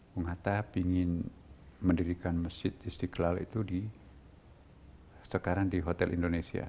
bung hatta pingin mendirikan masjid istiqlal itu sekarang di hotel indonesia